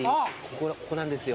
ここなんですよ。